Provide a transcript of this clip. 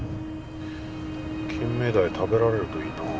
キンメダイ食べられるといいなあ。